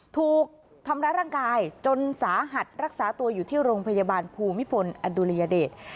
ถูกทำร้ายร่างกายจนสาหัสรักษาตัวอยู่ที่โรงพยาบาลภูมิพลอดุลยเดช